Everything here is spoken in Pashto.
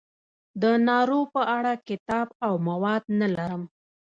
د نارو په اړه کتاب او مواد نه لرم.